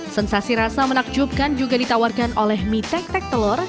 sensasi rasa menakjubkan juga ditawarkan oleh mie tek tek telur